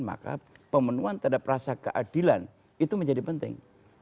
maka pemenuhan terhadap rasa keadilan itu menjadi penting